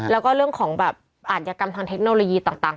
แล้วก็เรื่องของแบบอาจยกรรมทางเทคโนโลยีต่าง